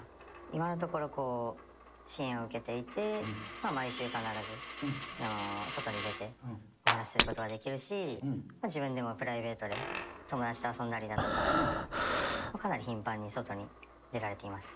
今のところ、支援を受けていて、毎週必ず外に出て、お話しすることはできるし、自分でもプライベートで友達と遊んだりだとか、かなり頻繁に外に出られています。